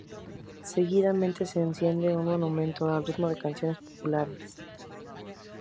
Seguidamente se enciende el monumento al ritmo de canciones populares.